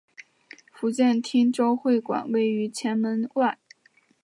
福建汀州会馆位于前门外。